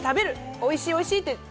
おいしい、おいしいって。